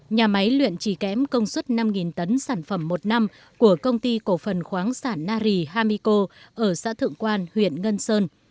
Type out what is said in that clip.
nhà máy luyện trì kém công suất năm tấn sản phẩm một năm của công ty cổ phần khoáng sản nari hamiko ở xã thượng quan huyện ngân sơn